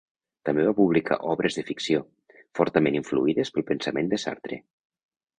També va publicar obres de ficció, fortament influïdes pel pensament de Sartre.